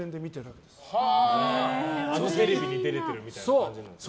テレビに出れてるみたいな感じなんですか。